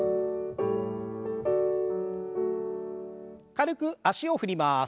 軽く脚を振ります。